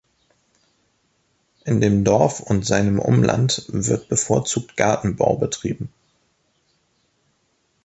In dem Dorf und seinem Umland wird bevorzugt Gartenbau betrieben.